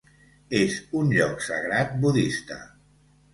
És un lloc sagrat budista.